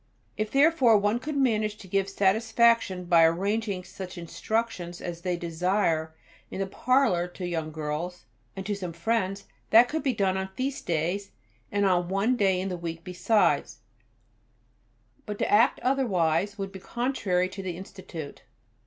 If therefore one could manage to give satisfaction by arranging such instructions as they desire in the parlour to young girls, and to some friends, that could be done on feast days, and on one day in the week besides, but to act otherwise would be contrary to the Institute.